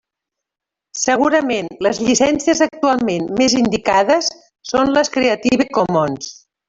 Segurament, les llicències actualment més indicades són les Creative Commons.